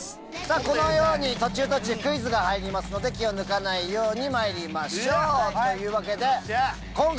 このように途中クイズが入りますので気を抜かないようにまいりましょう。